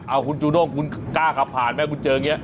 เอาคุณจูด้งคุณกล้าขับผ่านไหมคุณเจออย่างนี้